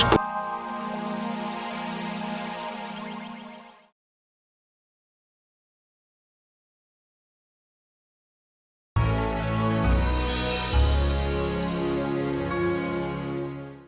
aku harus menyingkirkan bapak rahat